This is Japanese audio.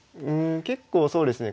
結構そうですね